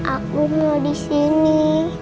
aku mau di sini